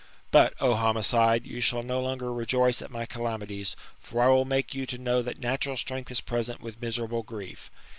But, O homicide, you shall no longer rejoice at my calamities ; for I will make you to know that natural strength is present with miserable grief."